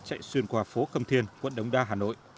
chạy xuyên qua phố khâm thiên quận đống đa hà nội